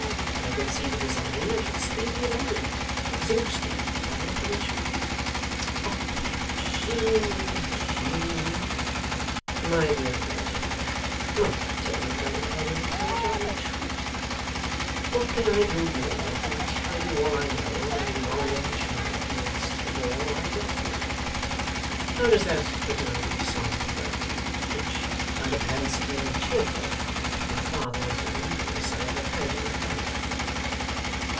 If I conceived a design, I should speedily abandon it, exhausted by the operation.' 'Oh Eugene, Eugene!' 'My dear Mortimer, not that tone of melancholy reproach, I entreat. What can I do more than tell you all I know, and acknowledge my ignorance of all I don't know! How does that little old song go, which, under pretence of being cheerful, is by far the most lugubrious I ever heard in my life?